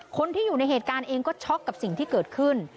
คนที่อยู่ในเหตุการณ์เองก็ช็อกกับสิ่งที่เกิดขึ้น